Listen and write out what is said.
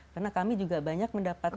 karena kami juga banyak mendapatkan